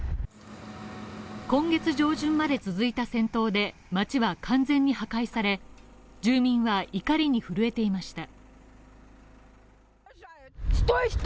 今月上旬まで続いた戦闘で街は完全に破壊され、住民は怒りに震えていました。